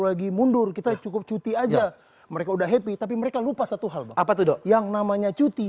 lagi mundur kita cukup cuti aja mereka udah happy tapi mereka lupa satu hal apa tuh yang namanya cuti